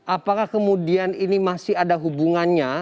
apakah kemudian ini masih ada hubungannya